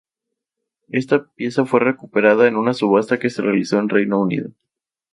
Esta pieza fue recuperada en una subasta que se realizó en Reino Unido.